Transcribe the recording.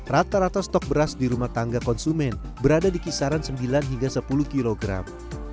rata rata stok beras di rumah tangga konsumen berada di kisaran sembilan hingga sepuluh kilogram